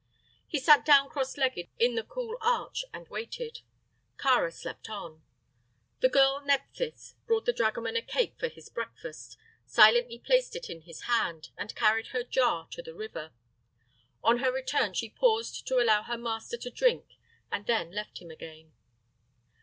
He sat down cross legged in the cool arch and waited. Kāra slept on. The girl Nephthys brought the dragoman a cake for his breakfast, silently placed it in his hand, and carried her jar to the river. On her return she paused to allow her master to drink and then left him again.